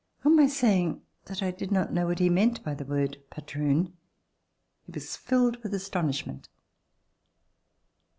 On my saying that I did not know what he meant by the word "patroon," he was filled with astonishment.